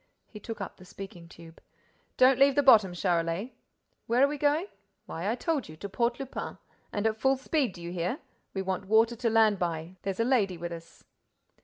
He took up the speaking tube: "Don't leave the bottom, Charolais. Where are we going? Why, I told you: to Port Lupin. And at full speed, do you hear? We want water to land by—there's a lady with us."